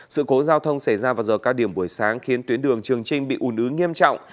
sự cố giao thông xảy ra vào giờ cao điểm buổi sáng khiến tuyến đường trường trinh bị ùn ứ nghiêm trọng